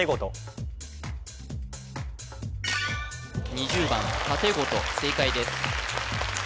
２０番たてごと正解です